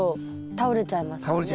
倒れちゃいますね。